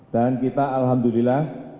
dan kita alhamdulillah